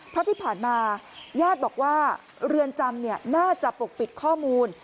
เพราะที่ผ่านมาญาติบอกว่าเรือนจำน่าจะปกปิดข้อมูล